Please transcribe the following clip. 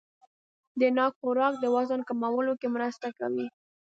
د ناک خوراک د وزن کمولو کې مرسته کوي.